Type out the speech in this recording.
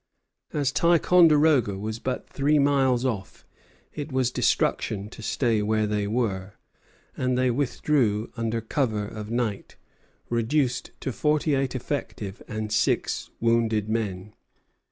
As Ticonderoga was but three miles off, it was destruction to stay where they were; and they withdrew under cover of night, reduced to forty eight effective and six wounded men.